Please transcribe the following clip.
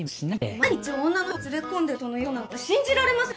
毎日女の人を連れ込んでる人の言うことなんか信じられません！